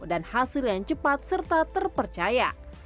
dan hasil yang cepat serta terpercaya